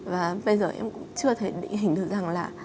và bây giờ em cũng chưa thể định hình được rằng là